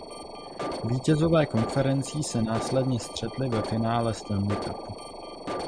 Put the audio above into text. Vítězové konferencí se následně střetli ve finále Stanley Cupu.